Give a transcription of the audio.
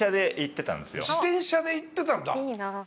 自転車で行ってたんだ！